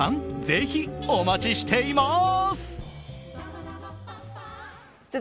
ぜひ、お待ちしています！